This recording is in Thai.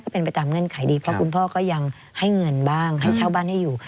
เพราะคุณพ่อก็ยังให้เงินบ้างให้เช่าบ้านให้อยู่